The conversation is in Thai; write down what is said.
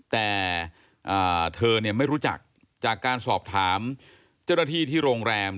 แต่เธอเนี่ยไม่รู้จักจากการสอบถามเจ้าหน้าที่ที่โรงแรม